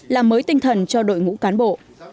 là mới tinh thần cho đội ngũ cán bộ